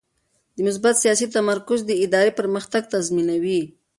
د مثبت سیاست تمرکز د ادارې پرمختګ تضمینوي.